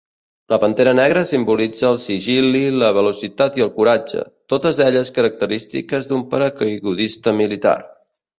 La pantera negra simbolitza el sigil·li, la velocitat i el coratge, totes elles característiques d'un paracaigudista militar.